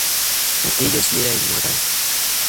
Aquello sí era inmoral.